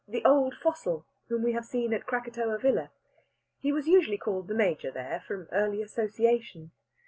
the "old fossil" whom we have seen at Krakatoa Villa. He was usually called "the Major" there, from early association.